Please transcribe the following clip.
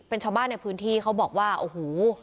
เป็นชาวบ้านในพื้นที่เขาบอกว่าโอ้โห